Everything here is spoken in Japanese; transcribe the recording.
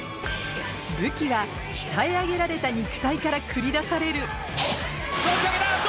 武器は鍛え上げられた肉体から繰り出される持ち上げた！